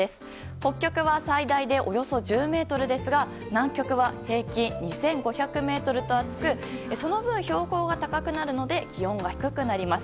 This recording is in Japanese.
北極は最大でおよそ１０ｍですが南極は平均２５００ｍと厚くその分、標高が高くなるので気温が低くなります。